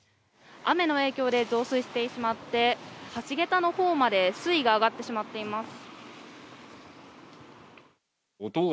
雨の影響で増水してしまって橋げたのほうまで水位が上がってしまっています。